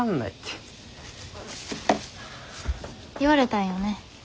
言われたんよね。